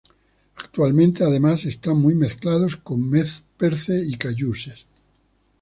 Actualmente, además, están muy mezclados con nez perce y cayuse.